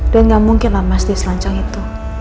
dan gak mungkin lah mas dia selancang itu